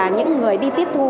những người đi tiếp thu